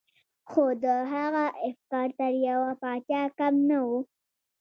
خو د هغه افکار تر يوه پاچا کم نه وو.